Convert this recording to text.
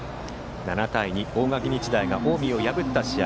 ７対２、大垣日大が近江を破った試合。